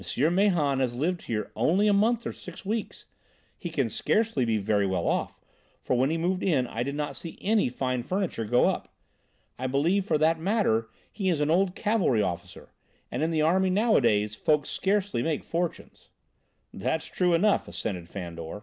Mahon has lived here only a month or six weeks. He can scarcely be very well off, for when he moved in I did not see any fine furniture go up. I believe for that matter he is an old cavalry officer, and, in the army nowadays, folks scarcely make fortunes." "That's true enough," assented Fandor.